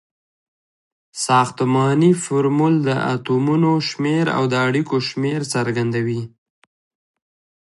ساختمانی فورمول د اتومونو شمیر او د اړیکو شمیر څرګندوي.